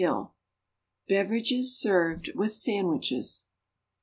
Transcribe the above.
] BEVERAGES SERVED WITH SANDWICHES.